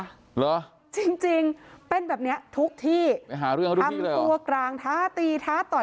เหรอจริงจริงเป็นแบบเนี้ยทุกที่ไปหาเรื่องเขาด้วยทำเลยตัวกลางท้าตีท้าต่อย